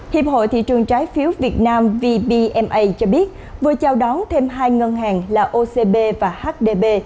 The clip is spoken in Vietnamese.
hiệp hội thị trường trái phiếu việt nam vbma cho biết vừa chào đón thêm hai ngân hàng là ocb và hdb